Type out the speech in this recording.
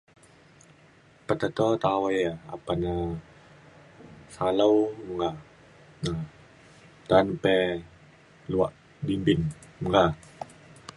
peteto tawai ia’ apan e salau meka um ta’an pe luak bimbin